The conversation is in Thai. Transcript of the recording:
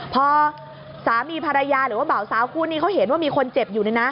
พอสามีภรรยาหรือว่าบ่าวสาวคู่นี้เขาเห็นว่ามีคนเจ็บอยู่